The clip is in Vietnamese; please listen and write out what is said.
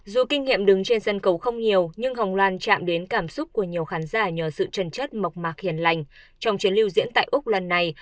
dù kinh nghiệm đứng trên sân cầu không nhiều nhưng hồng loan chạm đến cảm xúc của nhiều khán giả nhờ sự trần chất mộc mạc hiền lành